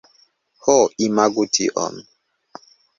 Ho, imagu tion!